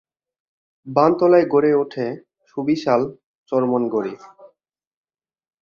বানতলায় গড়ে ওঠে সুবিশাল চর্মনগরী।